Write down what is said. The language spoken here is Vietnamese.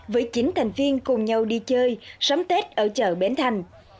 với chín thành viên cùng nhau đi chơi sắm tết ở chợ bến thành